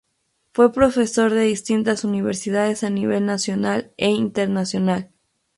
Fue profesor de distintas universidades a nivel nacional e internacional.